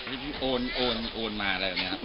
พี่โอนมาอะไรอย่างนี้ครับ